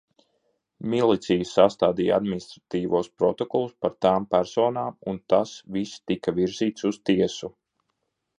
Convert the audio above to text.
Milicija sastādīja administratīvos protokolus par tām personām, un tas viss tika virzīts uz tiesu.